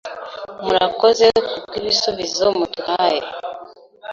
Murakoze ku bwibisubizo muduhaye